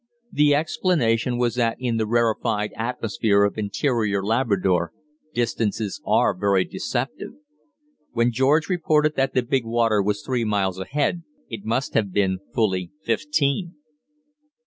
The explanation was that in the rarefied atmosphere of interior Labrador distances are very deceptive; when George reported that the "big water" was three miles ahead it must have been fully fifteen.